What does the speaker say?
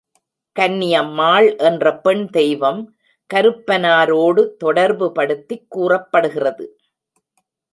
கன்னியம்மாள் என்ற பெண் தெய்வம் கருப்பனாரோடு தொடர்புபடுத்திக் கூறப்படுகிறது.